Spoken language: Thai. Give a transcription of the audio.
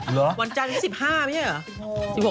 เหรอวันจันทร์๑๕มั้ยเหรอ